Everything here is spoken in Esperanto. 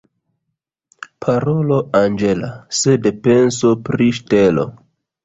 Parolo anĝela, sed penso pri ŝtelo.